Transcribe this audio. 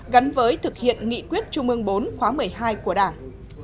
gắn với thực hiện nghị quyết trung ương bốn khóa một mươi hai của đảng